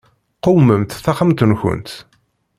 Qewmemt taxxamt-nkent.